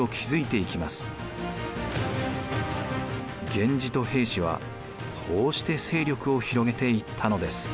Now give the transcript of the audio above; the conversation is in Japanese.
源氏と平氏はこうして勢力を広げていったのです。